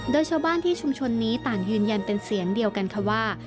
โดยชาวบ้านที่ชุมชนนี้ต่างยืนยันเป็นเสียงเดียวกันค่ะว่า